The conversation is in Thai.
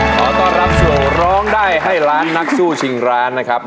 ขอต้อนรับสู่ร้องได้ให้ล้านนักสู้ชิงร้านนะครับ